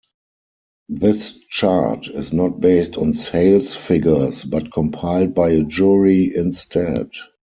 This chart is not based on sales figures but compiled by a jury instead.